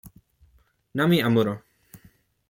Namie Amuro.